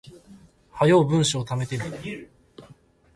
早う文章溜めてね